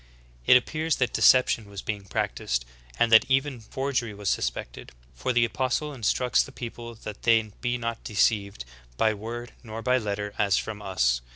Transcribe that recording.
It ap pears that deception was being practiced, and that even forgery was suspected, for the apostle instructs the people that they be not deceived "by word nor by letter as from us."